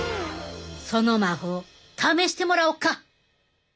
その魔法試してもらおか！